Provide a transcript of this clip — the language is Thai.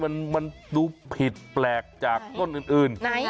มันดูผิดแปลกจากต้นอื่น